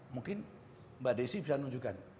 mungkin mbak desi bisa nunjukkan